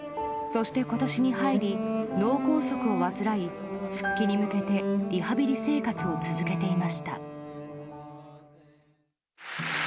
そして、今年に入り脳梗塞を患い復帰に向けてリハビリ生活を続けていました。